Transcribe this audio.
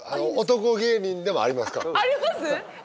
男芸人でもありますから。